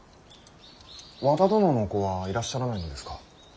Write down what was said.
和田殿のお子はいらっしゃらないのですか。